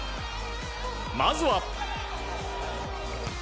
まずは。